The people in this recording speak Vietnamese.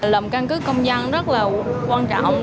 làm căn cứ công dân rất là quan trọng